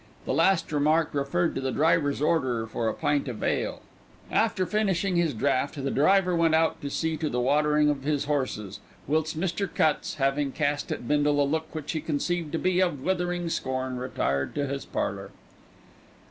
The last remark referred to the driver's order for a pint of ale. After finishing his draught the driver went out to see to the watering of his horses, whilst Mr. Cutts, having cast at Bindle a look which he conceived to be of withering scorn, retired to his parlour.